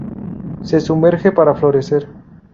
Se sumerge para florecer.